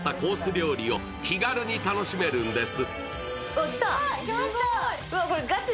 料理を気軽に楽しめるんです。